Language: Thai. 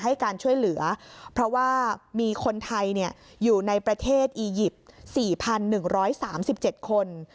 ให้การช่วยเหลือเพราะว่ามีคนไทยอยู่ในประเทศอียิปต์๔๑๓๗คน